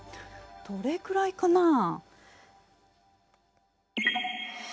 どれくらいかなあ？